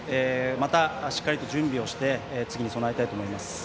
またしっかりと準備をして次に備えたいと思います。